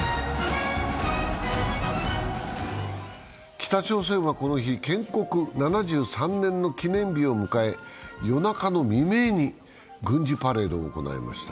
北朝鮮はこの日、建国７３年の記念日を迎え夜中の未明に軍事パレードを行いました。